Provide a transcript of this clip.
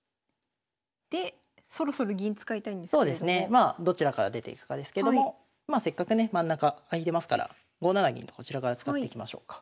まあどちらから出ていくかですけどもせっかくね真ん中空いてますから５七銀とこちらから使っていきましょうか。